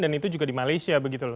dan itu juga di malaysia begitu lho